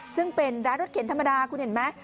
ซึ่งเป็นร้านรถเข็นธรรมดาคุณเห็นไหม